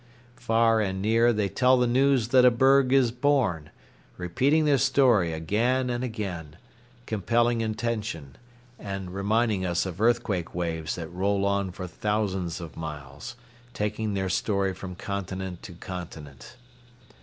Far and near they tell the news that a berg is born, repeating their story again and again, compelling attention and reminding us of earthquake waves that roll on for thousands of miles, taking their story from continent to continent.